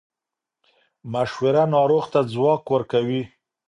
مشوره ناروغ ته ځواک ورکوي.